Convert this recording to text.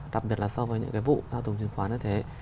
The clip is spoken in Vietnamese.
đặc biệt là so với những cái vụ theo tùng chứng khoán như thế